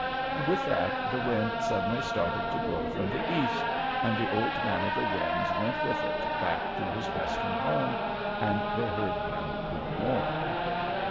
"And with that the wind suddenly started to blow from the east, and Old Man of the Winds went with it back to his western home, and they heard him no more.